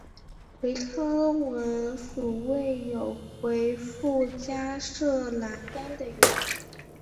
唯康文署未有回覆加设栏杆的原因。